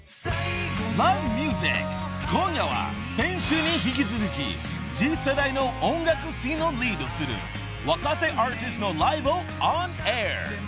［『Ｌｏｖｅｍｕｓｉｃ』今夜は先週に引き続き次世代の音楽シーンをリードする若手アーティストのライブをオンエア］